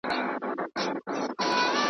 چي دروازې وي د علم بندي .